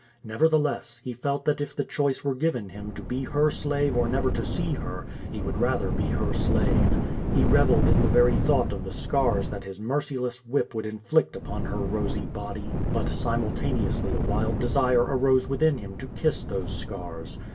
Nevertheless, he felt that if the choice Were given him to be her slave or never to see her, he would rather be her slave. He revelled in the very thought of the scars that his merciless whip would inflict upon her rosy body, but simultaneously a wild desire arose within him to kiss those scars.